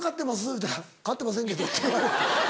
言うたら「飼ってませんけど」って言われた。